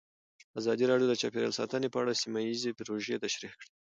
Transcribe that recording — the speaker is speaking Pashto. ازادي راډیو د چاپیریال ساتنه په اړه سیمه ییزې پروژې تشریح کړې.